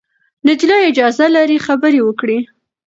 نجلۍ اجازه لري خبرې وکړي.